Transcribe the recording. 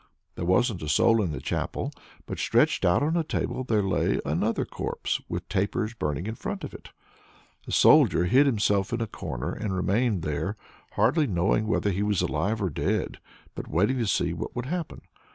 There wasn't a soul in the chapel, but stretched out on a table there lay another corpse, with tapers burning in front of it. The Soldier hid himself in a corner, and remained there, hardly knowing whether he was alive or dead, but waiting to see what would happen.